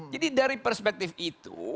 jadi dari perspektif itu